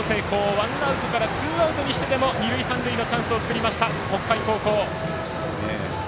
ワンアウトからツーアウトにしてでも二塁三塁のチャンスを作りました北海高校。